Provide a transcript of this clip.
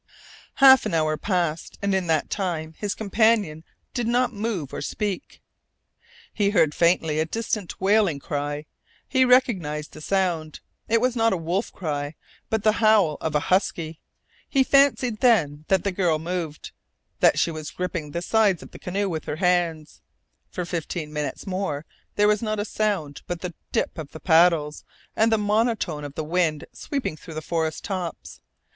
Half an hour passed, and in that time his companion did not move or speak. He heard faintly a distant wailing cry. He recognized the sound. It was not a wolf cry, but the howl of a husky. He fancied then that the girl moved, that she was gripping the sides of the canoe with her hands. For fifteen minutes more there was not a sound but the dip of the paddles and the monotone of the wind sweeping through the forest tops.